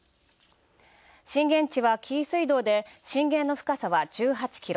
震源地は紀伊水道で震源の深さは１８キロ。